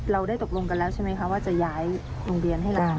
เราได้ตกลงกันแล้วใช่ไหมคะว่าจะย้ายโรงเรียนให้ละกัน